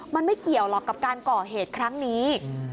มันไม่เกี่ยวหรอกกับการก่อเหตุครั้งนี้